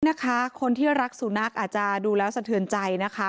นะคะคนที่รักสุนัขอาจจะดูแล้วสะเทือนใจนะคะ